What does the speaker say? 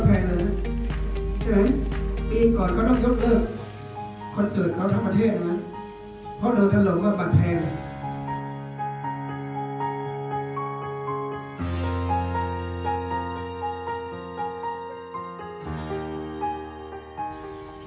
เพราะฉะนั้นปีก่อนเขาต้องยกเลิกคอนเซิร์ทเขาทั้งประเทศเพราะเหลือแค่หลงว่าบัญแพงเลย